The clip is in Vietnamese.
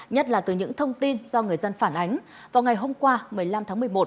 nhất là từ những thông tin do người dân phản ánh vào ngày hôm qua một mươi năm tháng một mươi một